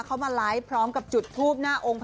เขามาไลฟ์พร้อมกับจุดทูป